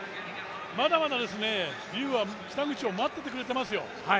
まだまだ劉は北口を待ってくれていますよ。